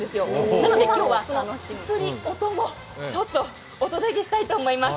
なので今日は、そのすする音もお届けしたいと思います。